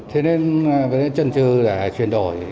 thế nên trần trừ để chuyển đổi